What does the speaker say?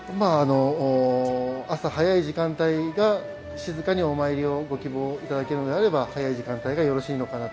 朝早い時間帯が静かにお参りをご希望いただけるのであれば早い時間帯がよろしいのかなと。